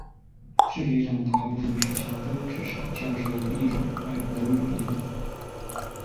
世界上大部分学校都至少教授一种外国语言。